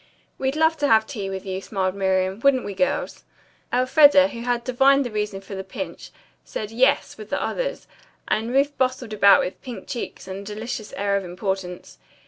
"We'd love to have tea with you," smiled Miriam. "Wouldn't we, girls?" Elfreda, who had divined the reason for the pinch, said "yes" with the others, and Ruth bustled about with pink cheeks and a delicious air of importance.